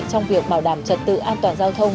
trong việc bảo đảm trật tự an toàn giao thông